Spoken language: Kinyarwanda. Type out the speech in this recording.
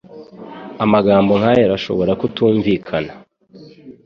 Amagambo nkaya arashobora kutumvikana.